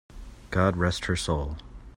God rest her soul!